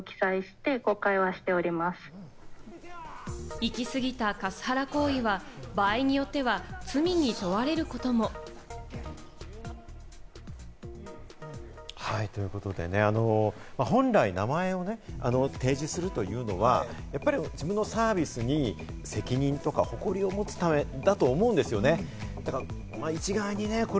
行き過ぎたカスハラ行為は場合によっては罪に問われることも。ということでね、本来、名前をね、提示するというのは、やっぱり自分のサービスに責任とか誇りを持つためだと思うんですよね。